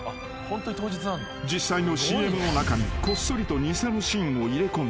［実際のＣＭの中にこっそりと偽のシーンを入れ込み